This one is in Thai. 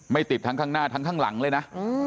ติดทั้งข้างหน้าทั้งข้างหลังเลยนะ